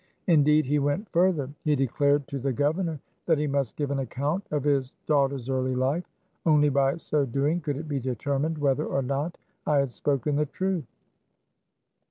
Indeed, he went fur ther. He declared to the governor that he must give an account of his daughter's early life. Only by so doing could it be determined whether or not I had spoken the truth.